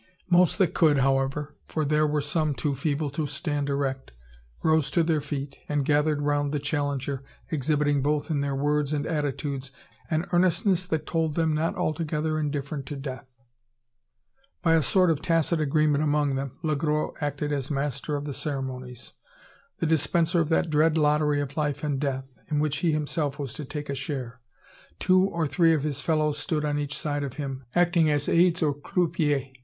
Most that could, however, for there were some too feeble to stand erect, rose to their feet, and gathered around the challenger, exhibiting both in their words and attitudes, an earnestness that told them not altogether indifferent to death. By a sort of tacit agreement among them, Le Gros acted as master of the ceremonies, the dispenser of that dread lottery of life and death, in which he himself was to take a share. Two or three of his fellows stood on each side of him, acting as aids or croupiers.